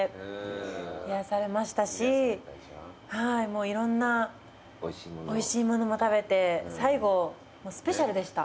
もういろんなおいしいものも食べて最後スペシャルでした。